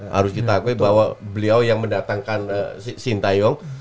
harus kita akui bahwa beliau yang mendatangkan sintayong